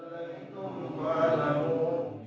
kepada itu berubah namun